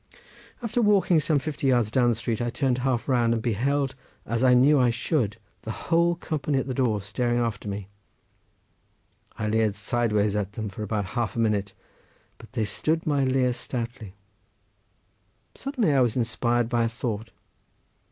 After walking some fifty yards down the street I turned half round and beheld, as I knew I should, the whole company! at the door staring after me. I leered sideways at them for about half a minute, but they stood my leer stoutly. Suddenly I was inspired by a thought.